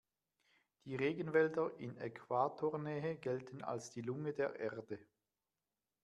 Die Regenwälder in Äquatornähe gelten als die Lunge der Erde.